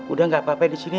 udah gak apa apa disini